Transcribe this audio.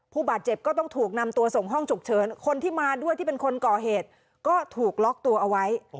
ผู้บาดเจ็บก็ต้องถูกนำตัวส่งห้องฉุกเฉินคนที่มาด้วยที่เป็นคนก่อเหตุก็ถูกล็อกตัวเอาไว้